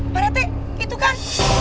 pak rati itu kan